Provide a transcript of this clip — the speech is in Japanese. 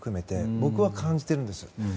僕は、感じているんですよ。